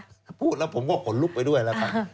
ถ้าพูดแล้วผมก็ห่วงลุกไปด้วยแล้วค่ะ